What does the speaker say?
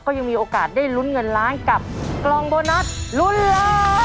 ยังมีโอกาสได้ลุ้นเงินล้านกับกล่องโบนัสลุ้นล้าน